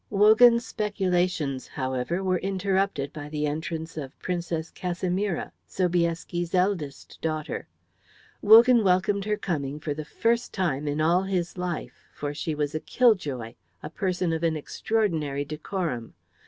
Wogan's speculations, however, were interrupted by the entrance of Princess Casimira, Sobieski's eldest daughter. Wogan welcomed her coming for the first time in all his life, for she was a kill joy, a person of an extraordinary decorum.